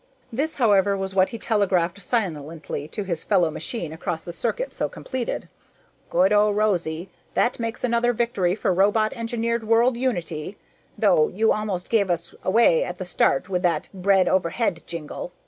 This, however, was what he telegraphed silently to his fellow machine across the circuit so completed: "Good o, Rosie! That makes another victory for robot engineered world unity, though you almost gave us away at the start with that 'bread overhead' jingle.